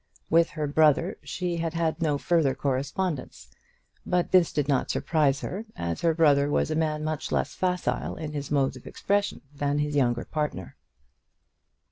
With her brother she had had no further correspondence; but this did not surprise her, as her brother was a man much less facile in his modes of expression than his younger partner.